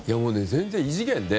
全然、異次元で。